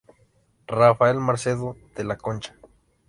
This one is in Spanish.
Rafael Macedo de la Concha.